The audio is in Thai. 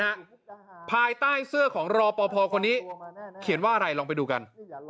อย่างพี่เบิร์นฮะภายใต้เสื้อของรปพคนนี้เขียนว่าอะไรลองไปดูกัน